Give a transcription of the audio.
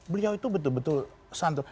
beliau itu betul betul santun